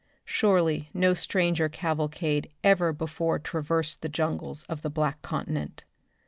Surely no stranger cavalcade ever before traversed the jungles of the Black Continent.